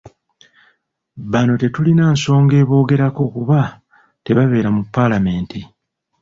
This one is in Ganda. Bano tetulina nsonga ebongerako kuba tebabeera mu Paalamenti.